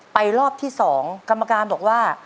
ไปรอบที่สองกรรมการบอกว่า